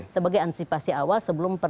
sebagai ansipasi awal sebelum